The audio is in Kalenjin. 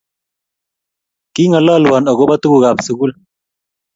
Kingalalwo akopa tugug ab sukul.